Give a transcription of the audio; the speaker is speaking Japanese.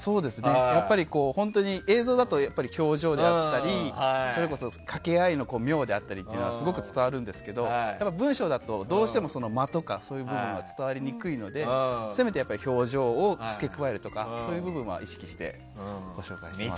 やっぱり映像だと表情であったりそれこそ掛け合いの妙であったりはすごく伝わるんですけど文章だとどうしても間とかそういう部分が伝わりにくいのでせめて表情を付け加えるとかそういう部分は意識して書いてます。